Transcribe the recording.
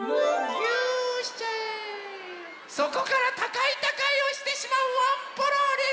そこからたかいたかいをしてしまうワンポロリン！